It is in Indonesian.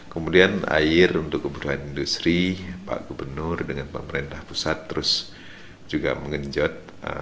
kemudian air untuk kebutuhan industri pak gubernur dengan pemerintah pusat terus juga mengenjot